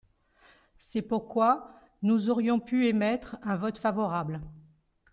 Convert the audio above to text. C’est pourquoi, nous aurions pu émettre un vote favorable.